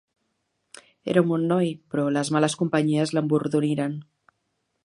Era un bon noi, però les males companyies l'embordoniren.